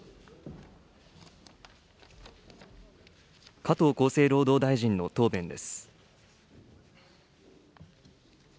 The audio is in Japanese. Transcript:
加藤厚生労働大臣の答弁です。